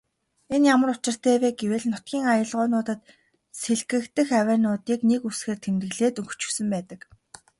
Энэ ямар учиртай вэ гэвэл нутгийн аялгуунуудад сэлгэгдэх авиануудыг нэг үсгээр тэмдэглээд өгчихсөн байдаг.